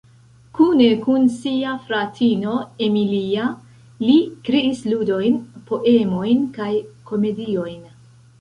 Kune kun sia fratino, Emilia, li kreis ludojn, poemojn kaj komediojn.